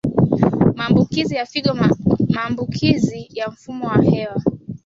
Maambukizi ya figo Maambukizi ya mfumo wa hewa